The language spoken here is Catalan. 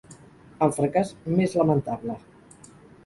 El fracàs més lamentable.